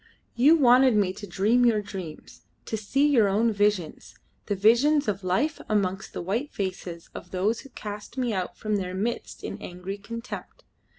You wanted me to dream your dreams, to see your own visions the visions of life amongst the white faces of those who cast me out from their midst in angry contempt.